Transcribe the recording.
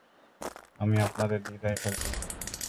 আমি আপনাদের দ্বিধায় ফেলছি না।